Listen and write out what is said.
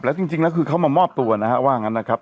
แล้วจริงจริงแล้วคือเขามามอบตัวนะครับว่าอย่างนั้นนะครับ